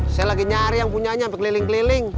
saya lagi nyari yang punyanya sampai keliling keliling